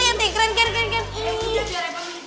eh ada kotaknya cucu